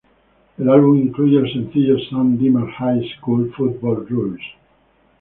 El álbum incluye el sencillo "San Dimas High School Football Rules".